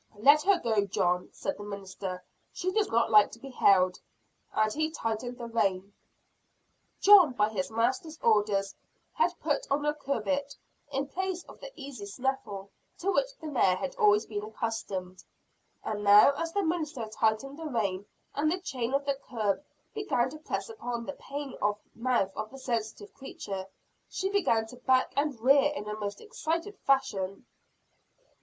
"Let her go, John," said the minister; "she does not like to be held," and he tightened the rein. John, by his master's orders, had put on a curbbit; in place of the easy snaffle to which the mare had always been accustomed. And now as the minister tightened the rein, and the chain of the curb began to press upon and pain the mouth of the sensitive creature, she began to back and rear in a most excited fashion.